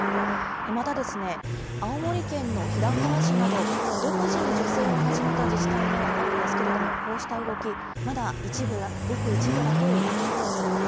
また、青森県の平川市など、独自に助成を始めた自治体もあるんですけれども、こうした動き、まだ一部、ごく一部だということです。